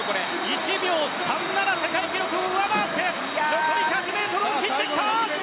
１秒３７世界記録を上回って残り１００ｍを切ってきた！